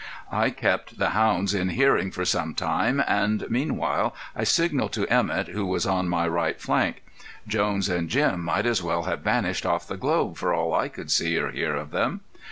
I kept the hounds in hearing for some time and meanwhile I signalled to Emett who was on my right flank. Jones and Jim might as well have vanished off the globe for all I could see or hear of them.